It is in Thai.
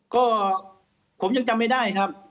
ก็ผมยังจำไม่ได้ครับ